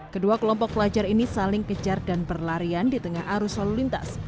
kedua kelompok pelajar ini saling kejar dan berlarian di tengah arus lalu lintas